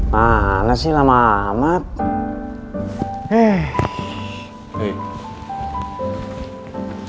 mana sih lama amat